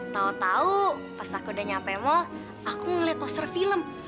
tau tau pas aku udah nyampe mall aku ngeliat poster film